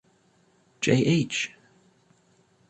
Jh.